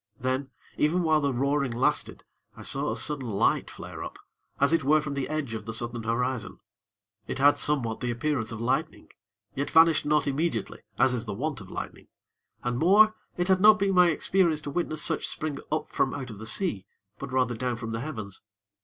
Then, even while the roaring lasted, I saw a sudden light flare up, as it were from the edge of the Southern horizon. It had somewhat the appearance of lightning; yet vanished not immediately, as is the wont of lightning; and more, it had not been my experience to witness such spring up from out of the sea, but, rather, down from the heavens.